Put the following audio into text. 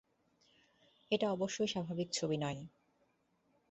এটা অবশ্যই স্বাভাবিক ছবি নয়।